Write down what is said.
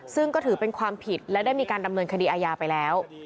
ซึ่งก็ถือเป็นความผิดและได้มีการดำเนินคดีอาญาไปแล้ว